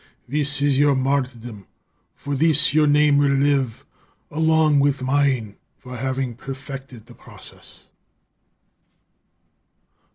This is your martyrdom; for this, your name will live, along with mine, for having perfected the process."